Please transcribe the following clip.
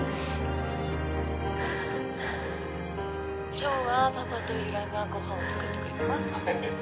今日はパパとゆらがご飯を作ってくれてます